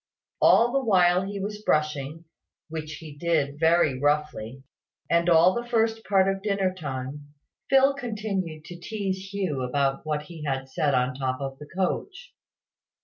All the while he was brushing (which, he did very roughly), and all the first part of dinner time, Phil continued to tease Hugh about what he had said on the top of the coach.